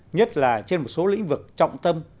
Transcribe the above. nhất là trên một số lĩnh vực trọng tâm